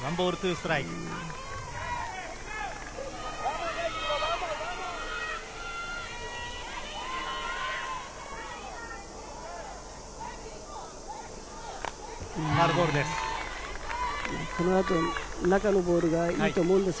ファウルボールです。